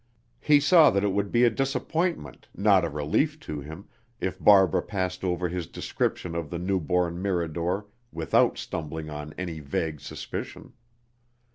He saw that it would be a disappointment, not a relief to him, if Barbara passed over his description of the new born Mirador without stumbling on any vague suspicion.